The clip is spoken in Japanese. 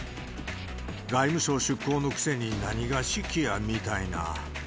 外務省出向のくせに何が指揮やみたいな。